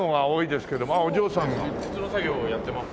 鉄の作業をやってます。